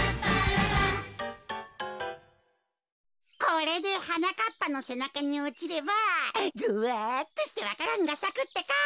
これではなかっぱのせなかにおちればゾワっとしてわか蘭がさくってか。